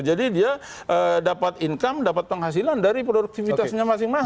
jadi dia dapat income dapat penghasilan dari produktivitasnya masing masing